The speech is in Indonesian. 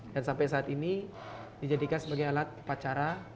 dan sampai saat ini dijadikan sebagai alat pacara